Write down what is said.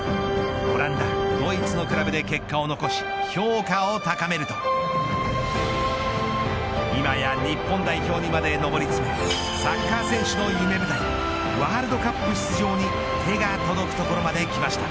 オランダ、ドイツのクラブで結果を残し評価を高めると今や日本代表にまで上り詰めサッカー選手の夢舞台ワールドカップ出場に手が届くところまで来ました。